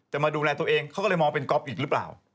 มาดูแลตัวเองเขาก็เลยมองเป็นก๊อฟอีกหรือเปล่า